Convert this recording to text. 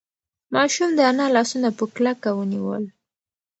ماشوم د انا لاسونه په کلکه ونیول.